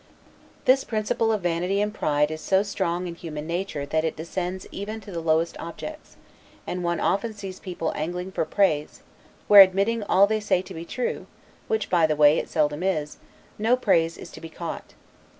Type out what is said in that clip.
This principle of vanity and pride is so strong in human nature that it descends even to the lowest objects; and one often sees people angling for praise, where, admitting all they say to be true (which, by the way, it seldom is), no just praise is to be caught.